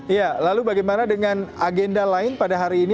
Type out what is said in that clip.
ya lalu bagaimana dengan agenda lain pada hari ini